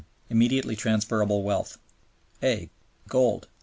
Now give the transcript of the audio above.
Immediately Transferable Wealth (a) Gold.